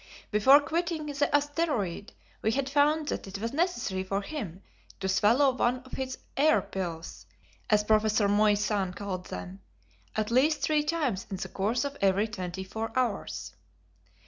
Before quitting the asteroid we had found that it was necessary for him to swallow one of his "air pills," as Prof. Moissan called them, at least three times in the course of every twenty four hours.